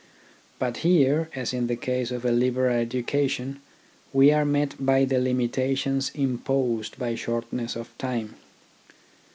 But here, as in the case of a liberal education, we are met by the limitations imposed by shortness of time.